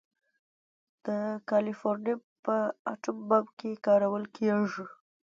د کالیفورنیم په اټوم بم کې کارول کېږي.